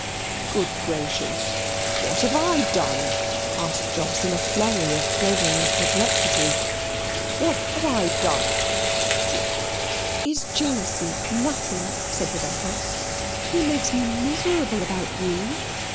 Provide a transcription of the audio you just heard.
"Good gracious! what have I done?" asked Jos in a flurry of pleasure and perplexity; "what have I done to to ?" "Is jealousy nothing?" said Rebecca. "He makes me miserable about you.